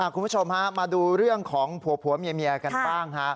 คุณผู้ชมมาดูเรื่องของผัวเมียกันบ้าง